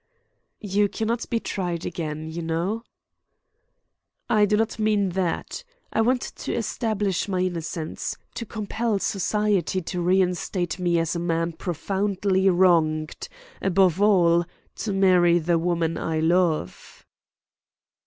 "You cannot be tried again, you know." "I do not mean that. I want to establish my innocence; to compel society to reinstate me as a man profoundly wronged; above all, to marry the woman I love."